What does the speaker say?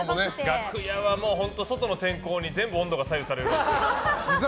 楽屋は本当に外の天候に全部、温度が左右される。